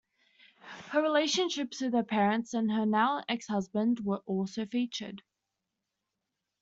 Her relationships with her parents and her now ex-husband were also featured.